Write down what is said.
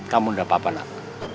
kamu tidak apa apa nak